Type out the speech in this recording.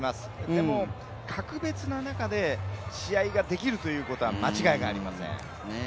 でも、格別な中で試合ができるということは間違いがありません。